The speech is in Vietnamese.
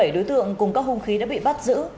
hai mươi bảy đối tượng cùng các hung khí đã bị bắt giữ